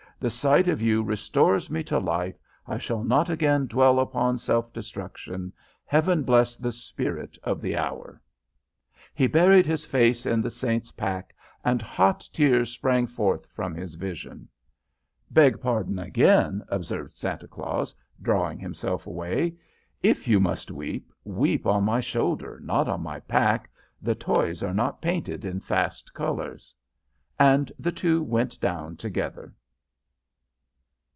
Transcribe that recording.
The sight of you restores me to life. I shall not again dwell upon self destruction. Heaven bless the spirit of the hour.' "He buried his face in the Saint's pack, and hot tears sprang forth from his vision. "'Beg pardon again,' observed Santa Claus, drawing himself away. 'If you must weep, weep on my shoulder, not on my pack. The toys are not painted in fast colors.' "And the two went down together."